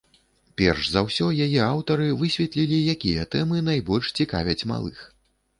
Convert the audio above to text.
Перш за ўсё яе аўтары высветлілі, якія тэмы найбольш цікавяць малых.